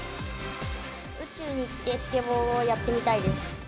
宇宙に行ってスケボーをやってみたいです。